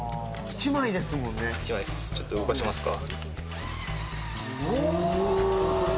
１枚ですちょっと動かしますか？